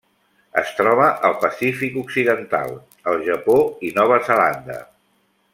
Es troba al Pacífic occidental: el Japó i Nova Zelanda.